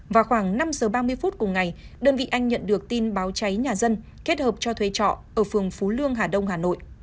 vào khoảng năm giờ ba mươi phút cùng ngày đơn vị anh nhận được tin báo cháy nhà dân kết hợp cho thuê trọ ở phường phú lương hà đông hà nội